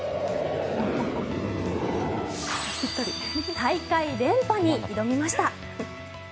大会連覇に挑みました。